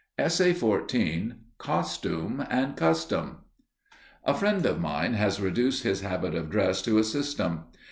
*Costume and Custom* A friend of mine has reduced his habit of dress to a system.